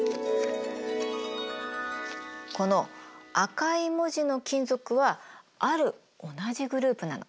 この赤い文字の金属はある同じグループなの。